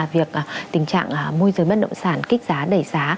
việc tình trạng môi giới bất động sản kích giá đẩy giá